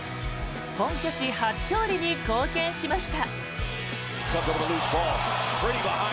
本拠地初勝利に貢献しました。